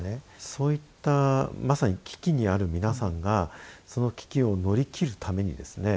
そういったまさに危機にある皆さんがその危機を乗り切るためにですね